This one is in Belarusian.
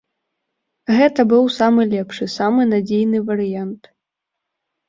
Гэта быў бы самы лепшы, самы надзейны варыянт.